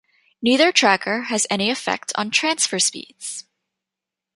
Neither tracker has any effect on transfer speeds.